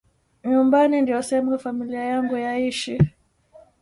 Nyumbani ndio sehemu familia yangu yaishi